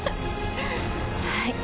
はい。